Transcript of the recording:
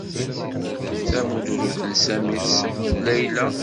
Tamudrut n Sami tessagged Layla.